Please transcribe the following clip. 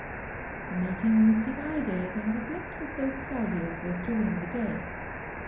The meeting was divided, and it looked as though Claudius was to win the day.